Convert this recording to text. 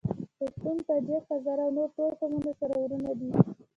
پښتون ، تاجک ، هزاره او نور ټول قومونه سره وروڼه دي.